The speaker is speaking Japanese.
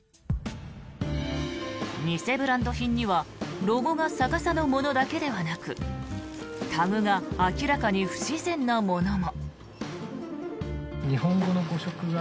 偽ブランド品にはロゴが逆さのものだけではなくタグが明らかに不自然なものも。